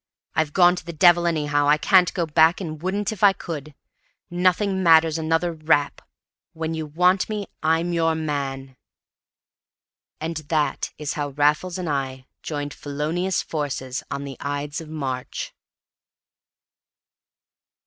I've gone to the devil anyhow. I can't go back, and wouldn't if I could. Nothing matters another rap! When you want me, I'm your man!" And that is how Raffles and I joined felonious forces on the Ides of March.